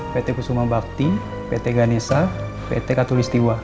pt kusuma bakti pt ganesha pt katul istiwa